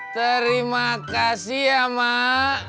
terima kasih ya mak